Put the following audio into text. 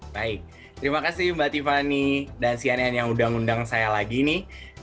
baik terima kasih mbak tiffany dan cnn yang udah ngundang saya lagi nih